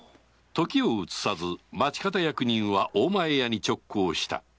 時を移さず町方役人は大前屋に直行した